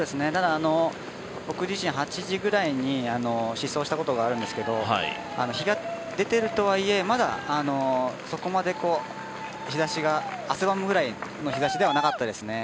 僕自身、８時ぐらいに試走をしたことがあるんですけど日が出てるとはいえ、まだそこまで日ざしが汗ばむぐらいの日ざしではなかったですね。